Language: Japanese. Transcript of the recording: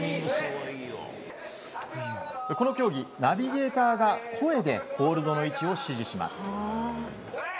この競技、ナビゲーターが声でホールドの位置を指示します。